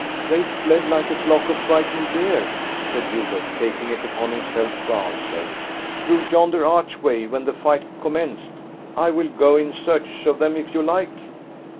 "They fled like a flock of frightened deer," said Hubert, taking it upon himself to answer, "through yonder archway when the fight commenced. I will go in search of them if you like."